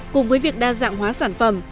cùng với việc đa dạng hóa sản phẩm